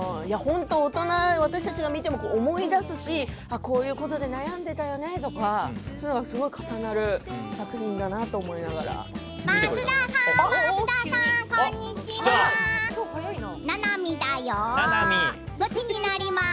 大人の私たちが見ても思い出すしこういうことで悩んでいたよねって、すごく重なる作品だなと思います。